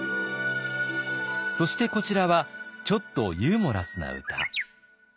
そしてこちらはちょっとユーモラスな歌。